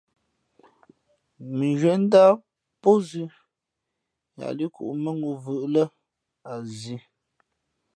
Mʉnzhwīē ndáh pózʉ̄ yāā līʼ kǔʼ mάŋū vʉʼʉ̄ lά a zī.